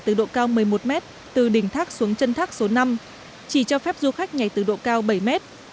từ độ cao một mươi một mét từ đỉnh thác xuống chân thác số năm chỉ cho phép du khách nhảy từ độ cao bảy mét